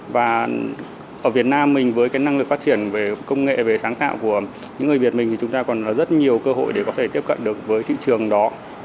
và ở việt nam mình với cái năng lực phát triển về công nghệ về sáng tạo của những người việt mình thì chúng ta còn có rất nhiều cơ hội để có thể tiếp cận được với thị trường đó